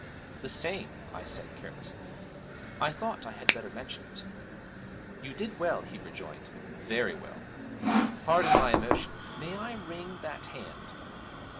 'The same,' I said carelessly. 'I thought I had better mention it.' 'You did well,' he rejoined, 'very well! Pardon my emotion may I wring that hand?'